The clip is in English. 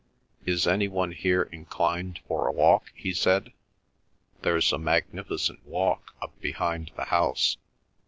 "Is any one here inclined for a walk?" he said. "There's a magnificent walk, up behind the house.